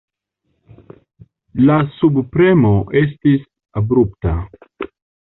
La subpremo estis abrupta.